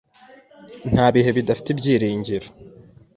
Nta bihe bidafite ibyiringiro.